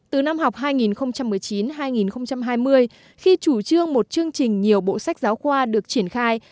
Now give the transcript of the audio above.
từ năm học hai nghìn một mươi chín hai nghìn hai mươi khi chủ trương một chương trình nhiều bộ sách giáo khoa được triển khai